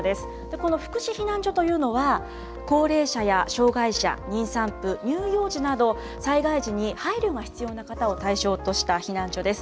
この福祉避難所というのは、高齢者や障害者、妊産婦、乳幼児など災害時に配慮が必要な方を対象とした避難所です。